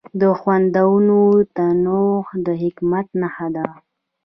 د خوندونو تنوع د حکمت نښه ده.